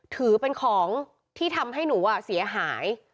ถือเป็นของที่ทำให้หนูเสียหาย